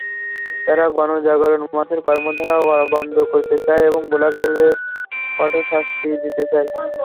তারা গণজাগরণ মঞ্চের কর্মধারা বন্ধ করতে চায় এবং ব্লগারদের কঠোর শাস্তি চায়।